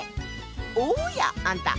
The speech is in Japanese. おやあんた